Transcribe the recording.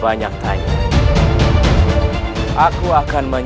hanyaaclek itu memberkati the di statue